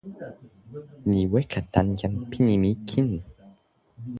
mi weka tan jan pini mi kin.